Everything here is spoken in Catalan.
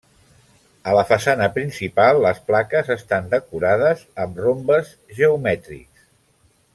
A la façana principal, les plaques estan decorades amb rombes geomètrics.